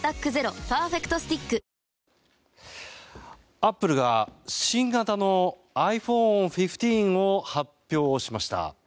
アップルが新型のｉＰｈｏｎｅ１５を発表しました。